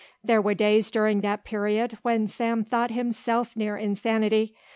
There were days during that period when Sam thought himself near insanity.